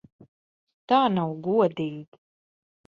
Tā nav godīgi!